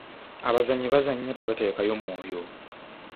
Abazannyi bazannya tebateekayo mwoyo.